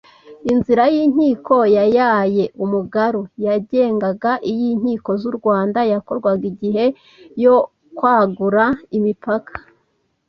Inzira y’inkiko yayaye umugaru: yagengaga iy’inkiko z’u Rwanda yakorwaga igihe yo kwagura imipaka